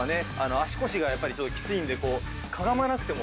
足腰がやっぱりちょっときついんでかがまなくても。